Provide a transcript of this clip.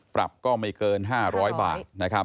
ปรับก็ไม่เกิน๕๐๐บาท